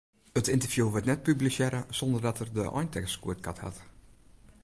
It ynterview wurdt net publisearre sonder dat er de eintekst goedkard hat.